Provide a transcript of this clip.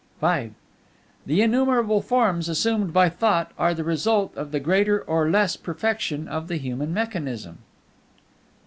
V The innumerable forms assumed by Thought are the result of the greater or less perfection of the human mechanism.